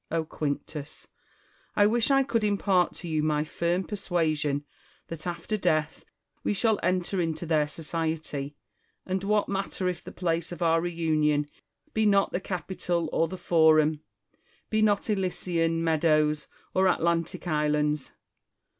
O Quinctus ! I wish I could impart to you my firm persua sion, that after death we shall enter into their society : and what matter if the place of our reunion be not the Capitol or the Forum, be not Elysian meadows or Atlantic islands?